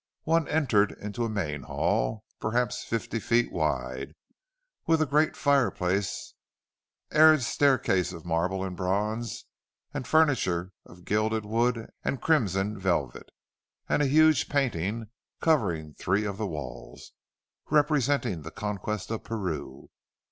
One entered into a main hall, perhaps fifty feet wide, with a great fireplace and staircase of marble and bronze, and furniture of gilded wood and crimson velvet, and a huge painting, covering three of the walls, representing the Conquest of Peru.